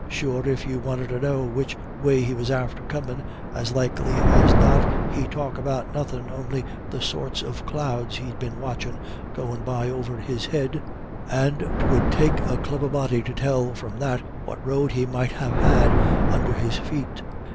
Sure if you wanted to know which way he was after comin', as likely as not he'd talk about nothin' on'y the sorts of clouds he'd been watchin' goin' by over his head; and 'twould take a cliver body to tell from that what road he might ha' had under his feet."